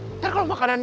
nanti kalau makanannya